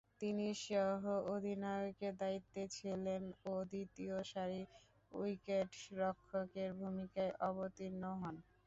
তিনি সহঃ অধিনায়কের দায়িত্বে ছিলেন ও দ্বিতীয়সারির উইকেট-রক্ষকের ভূমিকায় অবতীর্ণ হন।